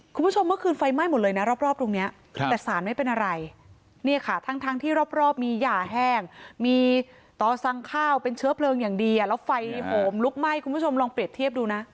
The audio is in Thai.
คุณผู้ชมเมื่อคืนไฟไหม้หมดเลยนะรอบตรงนี้แต่สารไม่เป็นอะไรเนี่ยค่ะทั้งที่รอบมีหย่าแห้งมีต่อสั่งข้าวเป็นเชื้อเพลิงอย่างดีแล้วไฟโหมลุกไหม้คุณผู้ชมลองเปรียบเทียบดูนะ